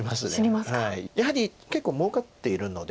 やはり結構もうかっているので。